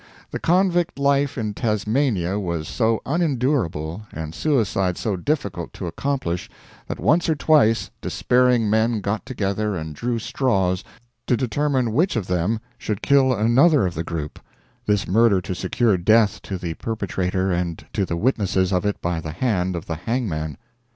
The convict life in Tasmania was so unendurable, and suicide so difficult to accomplish that once or twice despairing men got together and drew straws to determine which of them should kill another of the group this murder to secure death to the perpetrator and to the witnesses of it by the hand of the hangman!